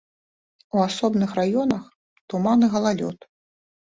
У асобных раёнах туман і галалёд.